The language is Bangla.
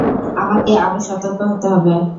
আমাকে আরো সতর্ক হতে হবে।